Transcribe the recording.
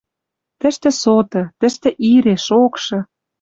Тӹштӹ соты, тӹштӹ ире, шокшы